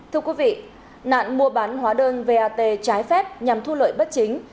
thưa quý vị nạn mua bán hóa đơn vat trái phép nhằm thu lợi bất chính